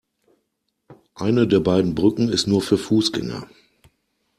Eine der beiden Brücken ist nur für Fußgänger.